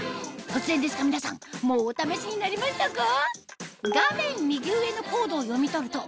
突然ですが皆さんもうお試しになりましたか？